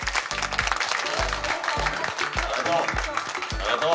ありがとう。